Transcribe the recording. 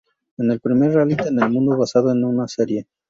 Es el primer reality en el mundo basado en una serie.